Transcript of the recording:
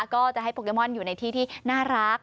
ก็จะให้โปเกมอนอยู่ในที่ที่น่ารัก